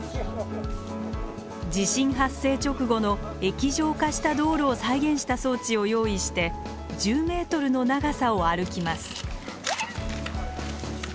地震発生直後の液状化した道路を再現した装置を用意して１０ｍの長さを歩きます。